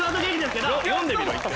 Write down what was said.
読んでみろ一回。